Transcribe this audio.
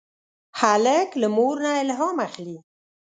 هلک له مور نه الهام اخلي.